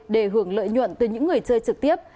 để hưởng lợi nhuận từ những người chơi trực tiếp